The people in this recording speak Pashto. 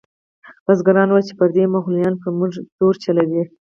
بزګرانو ویل چې پردي مغولیان پر موږ زور چلوي.